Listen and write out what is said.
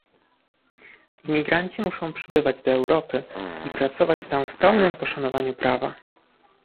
Imigranci muszą przybywać do Europy i pracować tam w pełnym poszanowaniu prawa